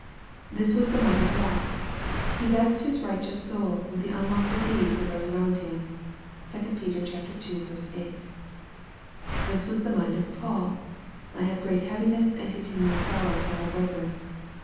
This was the mind of Lot :" He vexed his righteous soul with the unlawful deeds" of those around him. (2 Peter ii. 8.) This was the mind of Paul :" I have great heaviness and continual sorrow for my brethren."